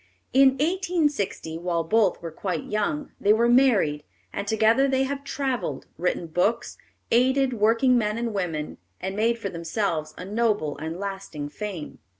In 1860, while both were quite young, they were married, and together they have travelled, written books, aided working men and women, and made for themselves a noble and lasting fame.